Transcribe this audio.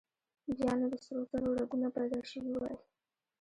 بيا نو د سرو زرو رګونه پيدا شوي وای.